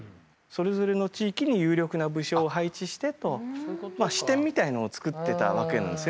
それぞれの地域に有力な武将を配置してと支店みたいのをつくってたわけなんですよね。